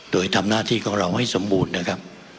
โดยทำหน้าที่ของเราให้สมบูรณ์นะครับ